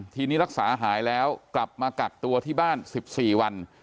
ทีนี้รักษาหายแล้วกลับมากักตัวที่บ้าน๑๔วัน